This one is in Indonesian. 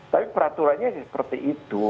tapi peraturannya seperti itu